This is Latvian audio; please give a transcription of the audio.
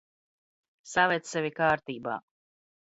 Saved sevi k?rt?b?!